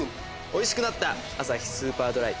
美味しくなったアサヒスーパードライ。